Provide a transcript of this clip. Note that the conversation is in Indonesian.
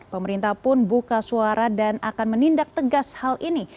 pemerintah pun buka suara dan akan menindak tegas hal ini